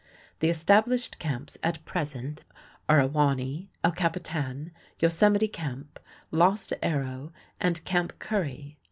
The established camps at present are Awahnee, El Capitan, Yosemite Camp, Lost Arrow and Camp Curry.